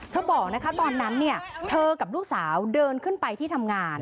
บอกนะคะตอนนั้นเธอกับลูกสาวเดินขึ้นไปที่ทำงาน